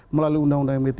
melalui undang undang md tiga